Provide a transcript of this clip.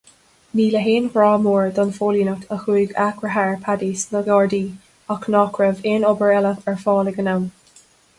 Ní le haon ghrá mór don phóilíneacht a chuaigh a dheartháir Paddy sna Gardaí ach nach raibh aon obair eile ar fáil ag an am.